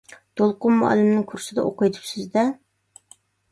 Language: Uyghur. دولقۇن مۇئەللىمنىڭ كۇرسىدا ئوقۇۋېتىپسىز-دە.